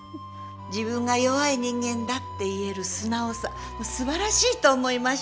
自分が弱い人間だって言える素直さすばらしいと思いました。